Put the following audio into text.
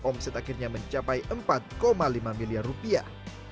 omset akhirnya mencapai empat lima miliar rupiah